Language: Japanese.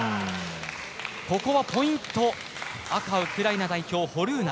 ここはポイント赤、ウクライナのホルーナ。